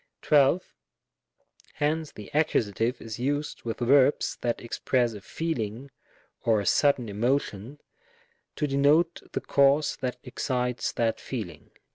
12. Hence the Accus. is used with verbs that ex press a feeling or a sudden emotion, to denote the cause that excites that feeling.